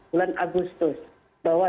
bulan agustus bahwa